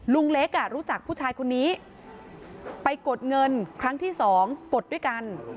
ลุงเล็กรู้จักผู้ชายคนนี้ไปกดเงินครั้งที่๒กดด้วยกัน